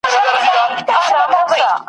مُلا یې ولاړ سي د سر مقام ته ..